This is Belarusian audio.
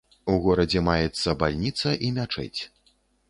У горадзе маецца бальніца і мячэць.